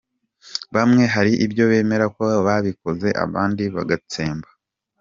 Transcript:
Bamwe hari ibyo bemera ko babikoze abandi bagatsemba.